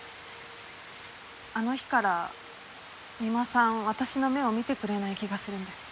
あの日から三馬さん私の目を見てくれない気がするんです。